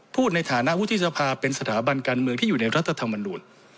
พูดในฐานะวุฒิสภาเป็นสถาบันการเมืองที่อยู่ในรัฐธรรมนูล